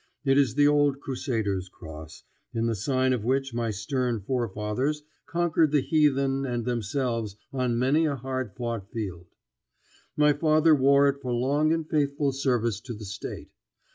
It is the old Crusaders' cross, in the sign of which my stern forefathers conquered the heathen and themselves on many a hard fought field. My father wore it for long and faithful service to the State.